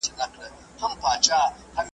خلګو د ناوړه دودونو له امله پيغورونه ورکړل.